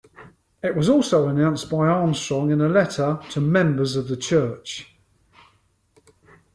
It was also announced by Armstrong in a letter to members of the church.